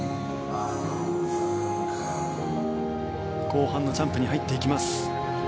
後半のジャンプに入っていきます。